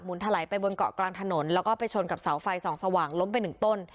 ถลายไปบนเกาะกลางถนนแล้วก็ไปชนกับเสาไฟส่องสว่างล้มไปหนึ่งต้น